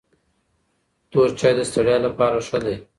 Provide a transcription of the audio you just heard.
تور چای د ستړیا لپاره ښه دی.